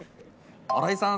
新井さん